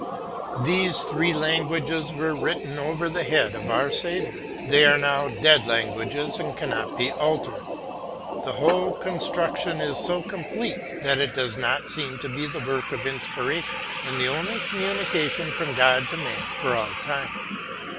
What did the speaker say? These three languages were written over the head of our Saviour. They are now dead languages and cannot be altered. The whole construction is so complete, that it does seem to be the work of inspiration, and the only communication from God to man, for all time.